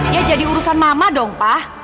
ya jadi urusan mama dong pak